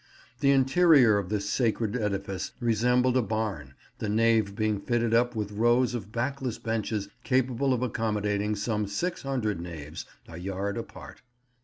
The interior of this sacred edifice resembled a barn, the nave being fitted up with rows of backless benches capable of accommodating some 600 knaves, a yard apart.